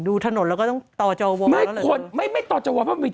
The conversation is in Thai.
ดูถนนแล้วก็ต้องต่อเจาะวาแล้วไม่คนไม่ไม่ต่อเจาะวาเพราะมันมี